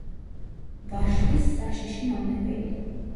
ვაშლის საშიში მავნებელი.